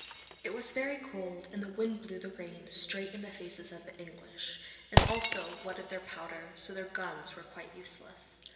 It was very cold and the wind blew the rain straight in the faces of the English, and also wetted their powder, so that their guns were quite useless.